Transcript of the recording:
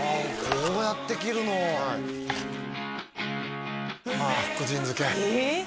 こうやって切るのはいああ福神漬けえっ！？